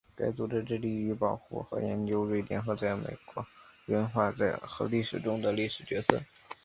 该组织致力于保护和研究瑞典和在美国文化和历史中的历史角色。